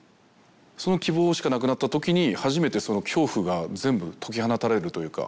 その希望しかなくなったときに初めてその恐怖が全部解き放たれるというか。